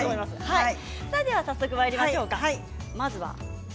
早速まいりましょう、まずは。